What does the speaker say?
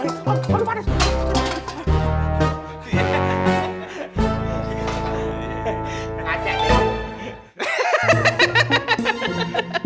aduh aset yuk